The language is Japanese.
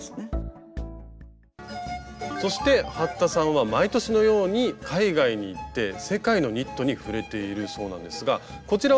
そして服田さんは毎年のように海外に行って世界のニットに触れているそうなんですがこちらはペルー？